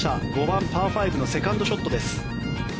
５番、パー５のセカンドショットです。